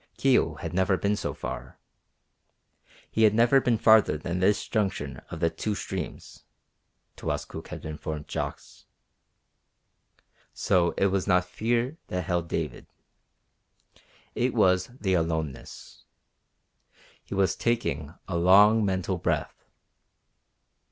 Kio had never been so far; he had never been farther than this junction of the two streams, Towaskook had informed Jacques. So it was not fear that held David. It was the aloneness. He was taking a long mental breath.